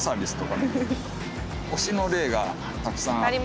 「推し」の例がたくさんあって。